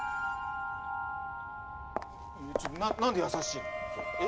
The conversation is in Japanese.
ちょっな何で優しいの？え？